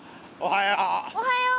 おはよう。